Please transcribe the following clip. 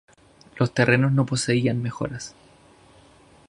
Los terrenos no poseían mejoras.